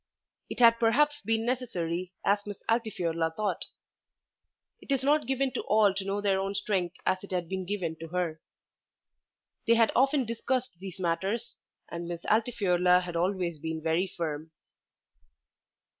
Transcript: It had perhaps been necessary, as Miss Altifiorla thought. It is not given to all to know their own strength as it had been given to her. They had often discussed these matters, and Miss Altifiorla had always been very firm.